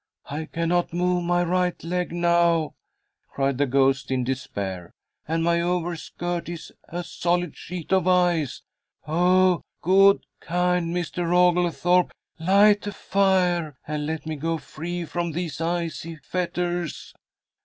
"I cannot move my right leg now," cried the ghost, in despair, "and my overskirt is a solid sheet of ice. Oh, good, kind Mr. Oglethorpe, light a fire, and let me go free from these icy fetters."